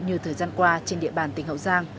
như thời gian qua trên địa bàn tỉnh hậu giang